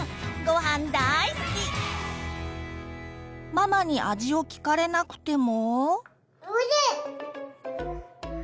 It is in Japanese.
ママに味を聞かれなくても。